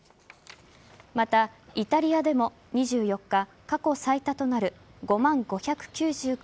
また、イタリアでも２４日過去最多となる５万５９９